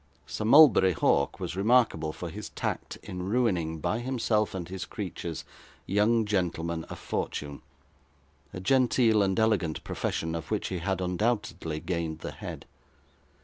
Sir Mulberry Hawk was remarkable for his tact in ruining, by himself and his creatures, young gentlemen of fortune a genteel and elegant profession, of which he had undoubtedly gained the head.